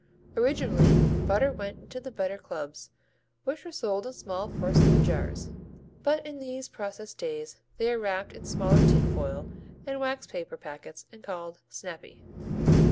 Originally butter went into the better clubs which were sold in small porcelain jars, but in these process days they are wrapped in smaller tin foil and wax paper packets and called "snappy."